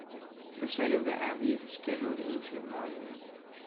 The site of the abbey is a Scheduled Ancient Monument.